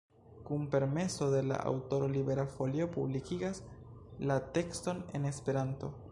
Kun permeso de la aŭtoro Libera Folio publikigas la tekston en Esperanto.